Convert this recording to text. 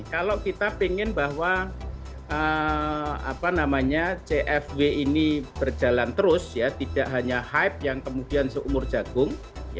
kalau kita ingin bahwa cfw ini berjalan terus tidak hanya hype yang kemudian seumur jagung